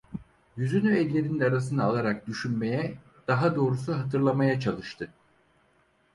Yüzünü ellerinin arasına alarak düşünmeye, daha doğrusu hatırlamaya çalıştı.